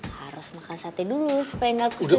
harus makan sate dulu supaya gak kusut lagi